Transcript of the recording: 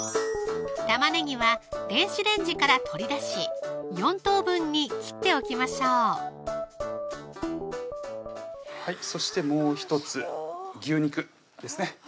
玉ねぎは電子レンジから取り出し４等分に切っておきましょうはいそしてもう１つ牛肉ですね